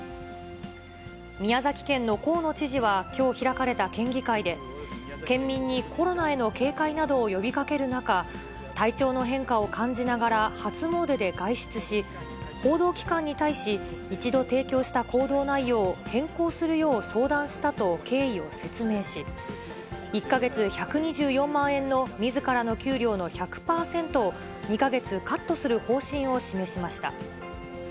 宮崎県の河野知事はきょう開かれた県議会で、県民にコロナへの警戒などを呼びかける中、体調の変化を感じながら初詣で外出し、報道機関に対し、一度提供した行動内容を変更するよう相談したと経緯を説明し、１か月１２４万円のみずからの給料の１００％を２か月カットする方針を示しました。